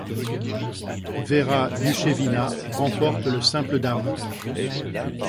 Vera Dushevina remporte le simple dames.